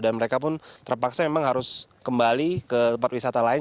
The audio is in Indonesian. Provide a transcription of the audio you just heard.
dan mereka pun terpaksa harus kembali ke tempat wisata lain